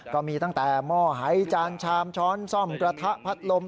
ก็มีตั้งแต่หม้อหายจานชามช้อนซ่อมกระทะพัดลม